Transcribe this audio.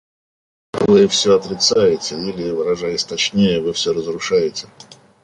Вы все отрицаете, или, выражаясь точнее, вы все разрушаете...